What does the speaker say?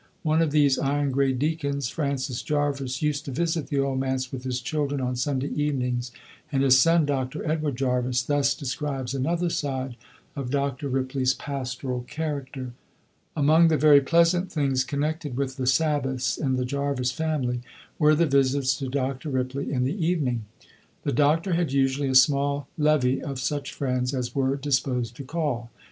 " One of these "iron gray deacons," Francis Jarvis, used to visit the Old Manse with his children on Sunday evenings, and his son, Dr. Edward Jarvis, thus describes another side of Dr. Ripley's pastoral character: "Among the very pleasant things connected with the Sabbaths in the Jarvis family were the visits to Dr. Ripley in the evening. The doctor had usually a small levee of such friends as were disposed to call.